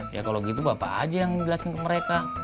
ya kalau gitu bapak aja yang jelasin ke mereka